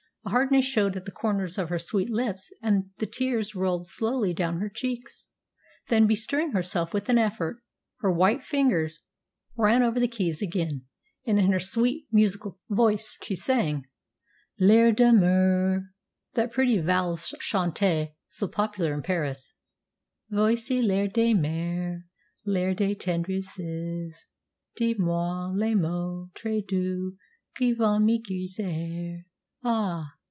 A hardness showed at the corners of her sweet lips, and the tears rolled slowly down her cheeks. Then, bestirring herself with an effort, her white fingers ran over the keys again, and in her sweet, musical voice she sang "L'Heure d'Aimer," that pretty valse chantée so popular in Paris: Voici l'heure d'aimer, l'heure des tendresses; Dis moi les mots très doux qui vont me griser, Ah!